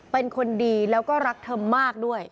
เป็นคนดีแล้วก็รักเธอมากด้วย